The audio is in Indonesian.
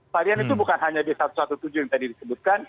varian itu bukan hanya b satu satu tujuh yang tadi disebutkan